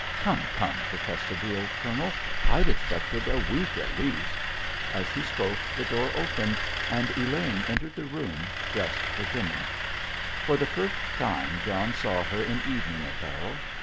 "Come, come," protested the old Colonel, "I'd expected a week at least." As he spoke the door opened, and Elaine entered the room dressed for dinner. For the first time John saw her in evening apparel.